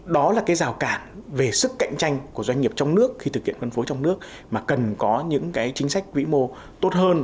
đó là cái rào cản về sức cạnh tranh của doanh nghiệp trong nước khi thực hiện phân phối trong nước mà cần có những cái chính sách vĩ mô tốt hơn